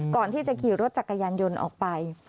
ก่อนที่จะขี่รถจักรยานยนต์ออกไป